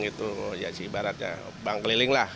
itu ya sih ibaratnya bank keliling lah